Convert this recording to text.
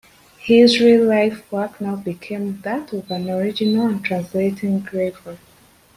His real life-work now became that of an original and translator engraver.